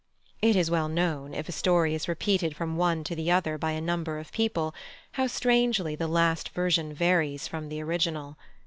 It is well known, if a story is repeated from one to the other by a number of people, how strangely the last version varies from the original.